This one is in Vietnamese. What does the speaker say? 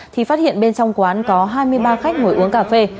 thì phát hiện bên trong quán có hai mươi ba khách ngồi uống cà phê